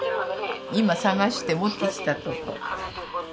今探して持ってきたとこ。